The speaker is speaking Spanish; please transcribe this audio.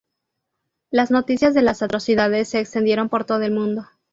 Las noticias de las atrocidades se extendieron por todo el mundo.